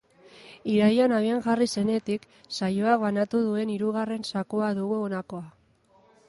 Irailean abian jarri zenetik, saioak banatu duen hirugarren zakua dugu honakoa.